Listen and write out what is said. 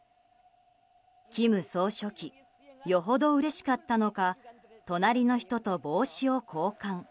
金総書記よほどうれしかったのか隣の人と帽子を交換。